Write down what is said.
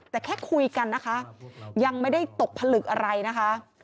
แต่แค่คุยกันนะคะยังไม่ได้ตกผลึกอะไรนะคะ